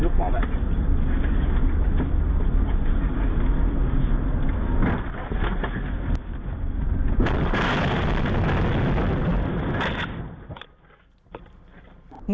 ยุคฝอบแล้ว